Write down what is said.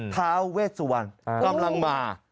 ท้าเวสวรรณกำลังมา